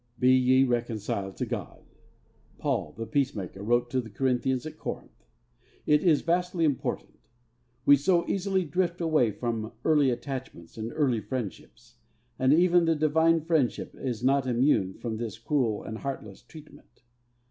IV 'Be ye reconciled to God' Paul the Peacemaker wrote to the Christians at Corinth. It is vastly important. We so easily drift away from early attachments and early friendships; and even the divine friendship is not immune from this cruel and heartless treatment.